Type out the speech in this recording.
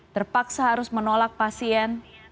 terpaksa harus menolak pasien